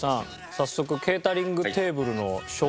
早速ケータリングテーブルの紹介をぜひ。